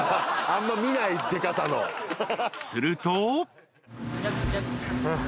［すると］